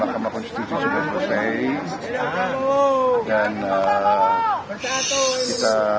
mahkamah konstitusi sudah selesai